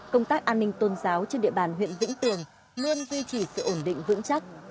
công tác an ninh tôn giáo trên địa bàn huyện vĩnh tường luôn duy trì sự ổn định vững chắc